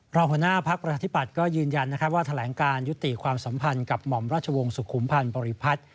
หัวหน้าพักประชาธิปัตย์ก็ยืนยันนะครับว่าแถลงการยุติความสัมพันธ์กับหม่อมราชวงศ์สุขุมพันธ์บริพัฒน์